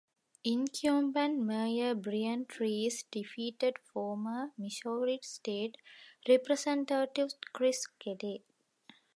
Incumbent Mayor Brian Treece defeated former Missouri State Representative Chris Kelley.